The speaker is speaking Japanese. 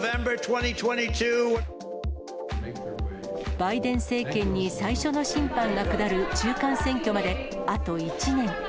バイデン政権に最初の審判が下る中間選挙まであと１年。